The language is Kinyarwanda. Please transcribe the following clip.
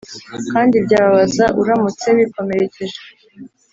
kandi byababaza uramutse wikomerekeje.